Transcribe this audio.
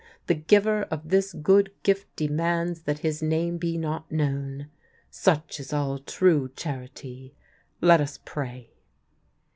The giver of this good gift demands that his name be not known. Such is all true charity. Let us pray."